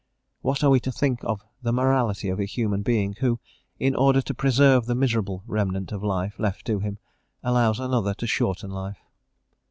What are we to think of the morality of a human being who, in order to preserve the miserable remnant of life left to him, allows another to shorten life?